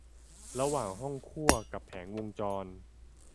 ระหว่างห้องคั่วกับแผงวงจร